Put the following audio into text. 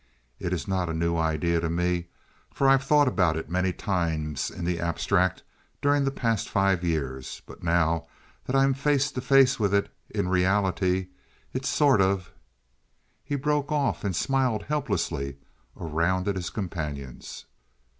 It is not a new idea to me, for I have thought about it many times in the abstract, during the past five years. But now that I am face to face with it in reality, it sort of " He broke off, and smiled helplessly around at his companions.